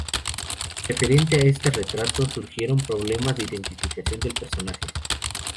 Referente a este retrato surgieron problemas de identificación del personaje.